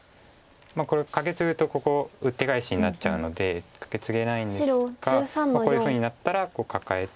これカケツグとここウッテガエシになっちゃうのでカケツゲないんですがこういうふうになったらカカえて。